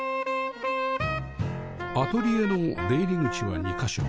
アトリエの出入り口は２カ所